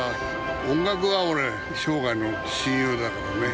音楽は俺、生涯の親友だからね。